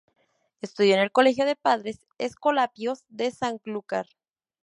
Estudió en el Colegio de Padres Escolapios de Sanlúcar.